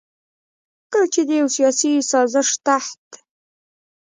کله چې د يو سياسي سازش تحت